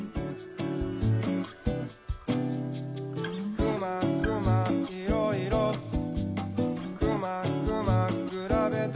「くまくまいろいろ」「くまくまくらべて」